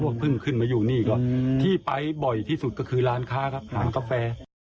ในโอบอกก็คือว่าเขาน่าจะอยู่ในพื้นที่นี่แหละคงหนีไปไหนได้ไม่ไกลอืม